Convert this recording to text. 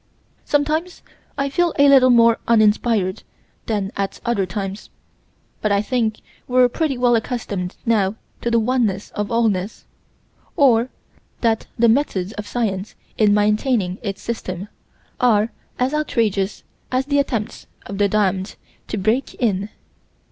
Sometimes I feel a little more uninspired than at other times, but I think we're pretty well accustomed now to the oneness of allness; or that the methods of science in maintaining its system are as outrageous as the attempts of the damned to break in.